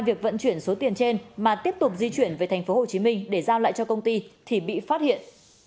việc vận chuyển số tiền trên mà tiếp tục di chuyển về tp hcm để giao lại cho công ty thì bị phát hiện